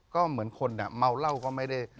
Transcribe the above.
ก็เหมือนคนอ่ะเมาเหล้าก็ไม่ได้